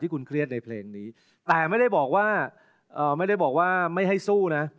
คุณเครียดในเพลงนี้แต่ไม่ได้บอกว่าไม่ได้บอกว่าไม่ให้สู้นะ